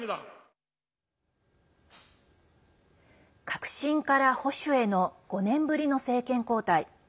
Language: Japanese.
革新から保守への５年ぶりの政権交代。